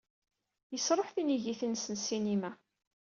Yesṛuḥ tinigit-nnes n ssinima.